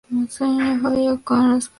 Falla con la espada.